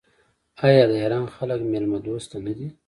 آیا د ایران خلک میلمه دوست نه دي؟